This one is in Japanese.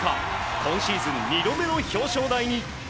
今シーズン２度目の表彰台に。